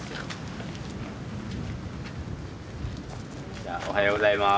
じゃあおはようございます。